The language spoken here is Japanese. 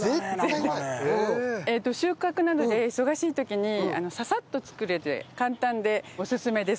収穫などで忙しい時にササッと作れて簡単でオススメです。